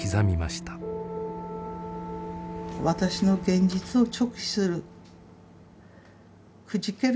「私の現実を直視するくじけるなよ